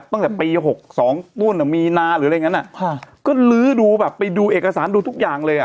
ตั้งแต่ปี๖๒มีนาหรืออะไรอย่างนั้นน่ะก็ลื้อดูแบบไปดูเอกสารดูทุกอย่างเลย